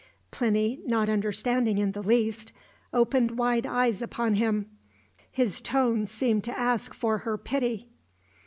Plinny, not understanding in the least, opened wide eyes upon him. His tone seemed to ask for her pity.